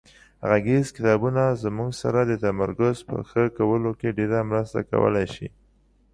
غږیز کتابونه زموږ سره د تمرکز په ښه کولو کې ډېره مرسته کولای شي.